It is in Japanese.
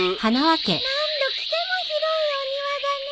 何度来ても広いお庭だね。